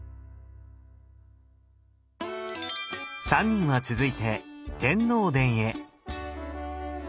３人は続いて天王殿へ。